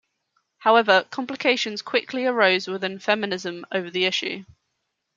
However complications quickly arose within feminism over the issue.